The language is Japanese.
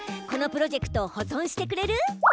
このプロジェクトを保存してくれる？